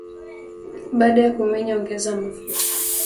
Baada ya kumenya ongeza mafuta